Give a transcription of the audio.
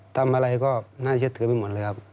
ทำอะไรก็น่าเชื่อถือไปหมดเลยครับ